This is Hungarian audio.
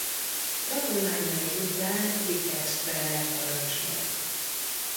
Tanulmányai után Vityebszkben lett parancsnok.